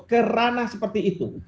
ke ranah seperti itu